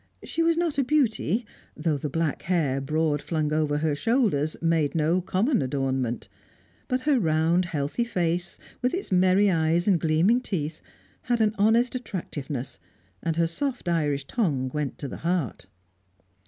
She was not a beauty, though the black hair broad flung over her shoulders made no common adornment; but her round, healthy face, with its merry eyes and gleaming teeth, had an honest attractiveness, and her soft Irish tongue went to the heart.